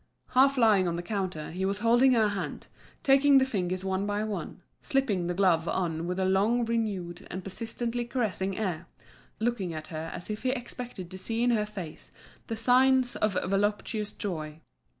Half lying on the counter, he was holding her hand, taking the fingers one by one, slipping the glove on with a long, renewed, and persistently caressing air, looking at her as if he expected to see in her face the signs of a voluptuous joy.